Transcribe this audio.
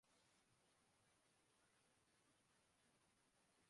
سیاسی منافقت کے خلاف ووٹ دیا ہے۔